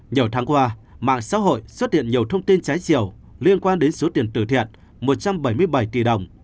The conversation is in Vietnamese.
nhiều tháng qua mạng xã hội xuất hiện nhiều thông tin trái chiều liên quan đến số tiền tử thiện một trăm bảy mươi bảy tỷ đồng